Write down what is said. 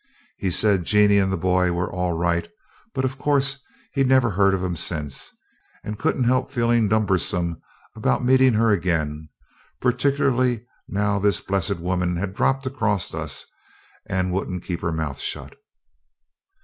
He said Jeanie and the boy were all right, but of course he'd never heard of 'em since, and couldn't help feeling dubersome about meeting her again, particular now this blessed woman had dropped across us, and wouldn't keep her mouth shut.